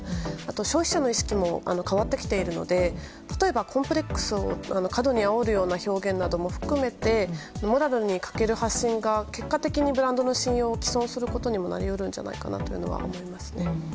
消費者の意識も変わってきているので例えばコンプレックスを過度にあおるような表現なども含めてモラルにかける発信が結果的にブランドの信用を毀損することにもなりうるんじゃないかというのは思いますね。